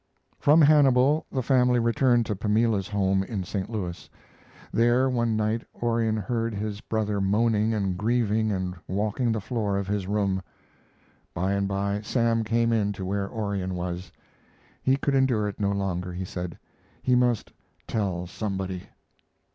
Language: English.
] From Hannibal the family returned to Pamela's home in St. Louis. There one night Orion heard his brother moaning and grieving and walking the floor of his room. By and by Sam came in to where Orion was. He could endure it no longer, he said; he must, "tell somebody."